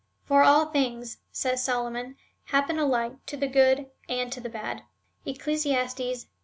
For all things, says Solomon, happen alike to the good and to the had. (Eccles.